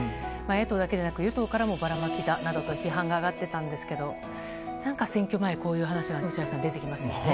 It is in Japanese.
野党だけでなく与党からもばらまきだと批判が上がっていたんですけど何か、選挙前はこういう話が落合さん出てきますね。